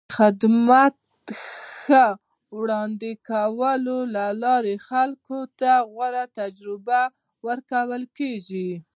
د خدمت ښې وړاندې کولو له لارې خلکو ته غوره تجربه ورکول کېږي.